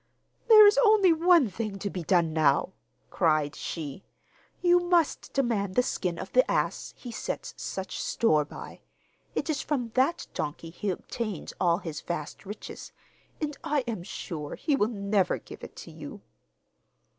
'There is only one thing to be done now,' cried she; 'you must demand the skin of the ass he sets such store by. It is from that donkey he obtains all his vast riches, and I am sure he will never give it to you.